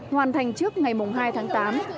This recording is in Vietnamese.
hoàn thành trước ngày hai tháng tám